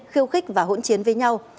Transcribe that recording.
khiêu khích và hỗn chiến với nhau